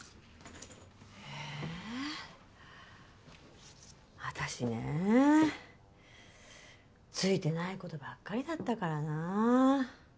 ええ私ねついてないことばっかりだったからな。